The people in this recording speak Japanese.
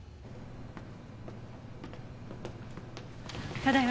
ただいま。